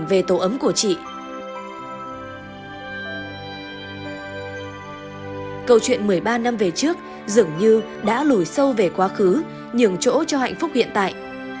câu chuyện một mươi ba năm về trước dường như đã lùi sâu về quá khứ nhường chỗ cho hạnh phúc hiện tại